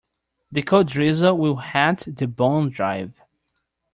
The cold drizzle will halt the bond drive.